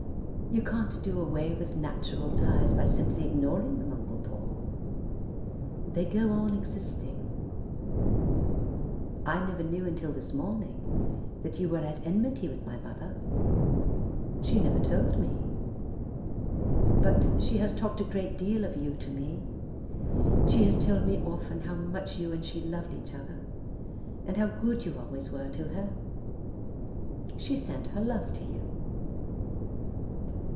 "You can't do away with natural ties by simply ignoring them, Uncle Paul. They go on existing. I never knew until this morning that you were at enmity with my mother. She never told me. But she has talked a great deal of you to me. She has told me often how much you and she loved each other and how good you always were to her. She sent her love to you."